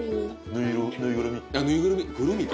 ぬいぐるみ。